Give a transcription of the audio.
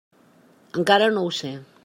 Encara no ho sé.